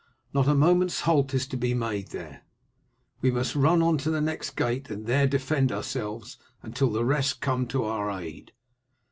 Not a moment's halt is to be made there; we must run on to the next gate and there defend ourselves until the rest come to our aid.